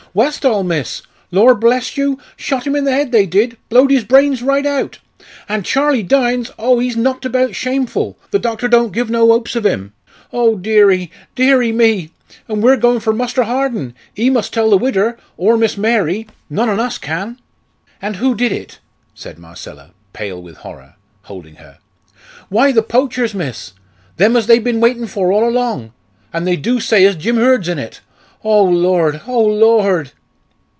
"Westall, miss Lor' bless you Shot him in the head they did blowed his brains right out and Charlie Dynes oh! he's knocked about shamful the doctor don't give no hopes of him. Oh deary deary me! And we're goin' for Muster Harden ee must tell the widder or Miss Mary none on us can!" "And who did it?" said Marcella, pale with horror, holding her. "Why the poachers, miss. Them as they've bin waitin' for all along and they do say as Jim Hurd's in it. Oh Lord, oh Lord!"